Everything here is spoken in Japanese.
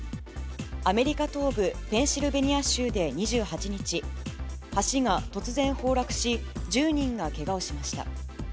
アメリカ東部ペンシルベニア州で２８日、橋が突然崩落し、１０人がけがをしました。